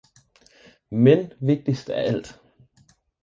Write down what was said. Men vigtigst af alt